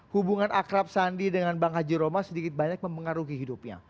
hubungan akrab sandi dengan bang haji roma sedikit banyak mempengaruhi hidupnya